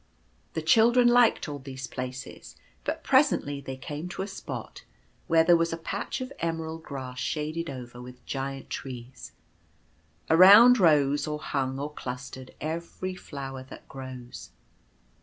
The children liked all these places, but presently they come to a spot where there was a patch of emerald grass shaded over with giant trees. Around rose or hung or clustered every flower that grows.